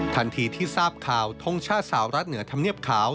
ทันทีที่ทราบข่าวทงชาติสาวรัฐเหนือธรรมเนียบขาว